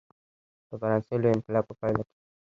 د فرانسې لوی انقلاب په پایله کې.